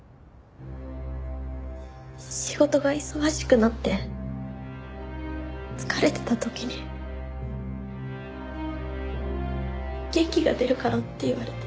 仕事が忙しくなって疲れてた時に元気が出るからって言われて。